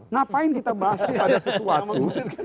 ngapain kita bahas kepada sesuatu